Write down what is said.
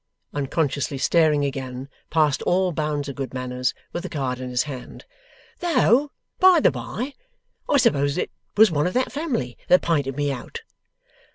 unconsciously staring again, past all bounds of good manners, with the card in his hand. 'Though, by the bye, I suppose it was one of that family that pinted me out?